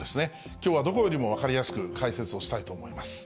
きょうはどこよりも分かりやすく解説をしたいと思います。